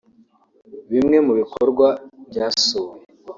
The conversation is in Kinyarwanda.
Bimwe mu bikorwa byasuwe